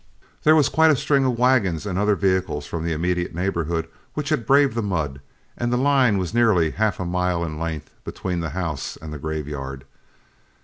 There was quite a string of wagons and other vehicles from the immediate neighborhood which had braved the mud, and the line was nearly half a mile in length between the house and the graveyard.